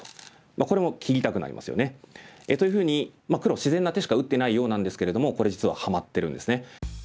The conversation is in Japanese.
これも切りたくなりますよね。というふうに黒は自然な手しか打ってないようなんですけれどもこれ実はハマってるんですね。